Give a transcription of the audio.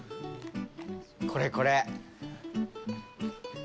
これこれ。